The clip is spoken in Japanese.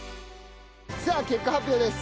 さあ結果発表です。